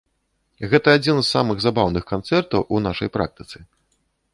Гэта адзін з самых забаўных канцэртаў у нашай практыцы.